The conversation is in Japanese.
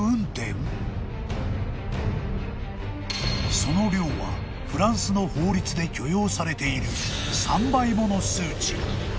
［その量はフランスの法律で許容されている３倍もの数値］